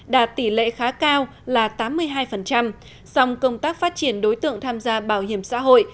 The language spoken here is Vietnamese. hai nghìn một mươi bảy đạt tỷ lệ khá cao là tám mươi hai dòng công tác phát triển đối tượng tham gia bảo hiểm xã hội